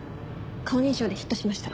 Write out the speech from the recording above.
顔認証でヒットしました。